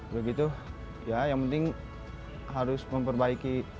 begitu ya yang penting harus memperbaiki